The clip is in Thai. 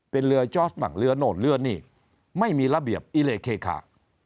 เป็นเรือจอสมั่งเรือโน่นเรือนี่ไม่มีระเบียบอิเลเคคา